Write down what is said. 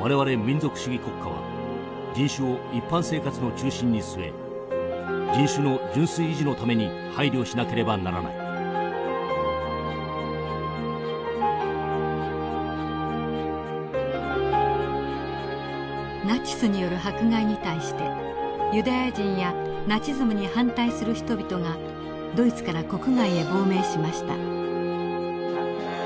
我々民族主義国家は人種を一般生活の中心に据え人種の純粋維持のために配慮しなければならない」。ナチスによる迫害に対してユダヤ人やナチズムに反対する人々がドイツから国外へ亡命しました。